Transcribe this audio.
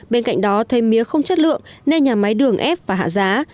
bên cạnh đó thấy mía không chất lượng nên nhà máy đường ép và hạ giá